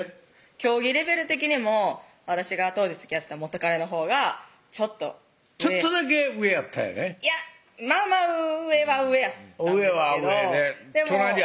競技レベル的にも私が当時つきあってた元カレのほうがちょっとちょっとだけ上やったんやねいやまあまあ上は上やったんですけど